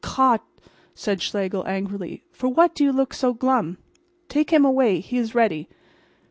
"Gott!" cried Schlegel, angrily. "For what do you look so glum? Take him away. He is ready.